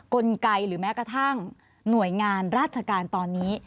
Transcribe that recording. กลไกหรือแม้กระทั่งหน่วยงานราชการตอนนี้